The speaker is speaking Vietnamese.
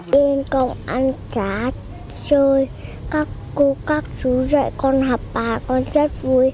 đến công an xã chơi các cô các chú dạy con học bà con rất vui